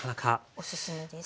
おすすめです。